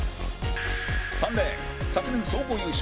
３レーン昨年総合優勝